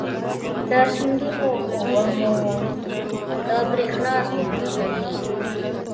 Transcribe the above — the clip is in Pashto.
د سیندونو اوبه مو د برېښنا ځواک لري.